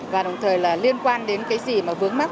và đồng thời là liên quan đến cái gì mà vướng mắt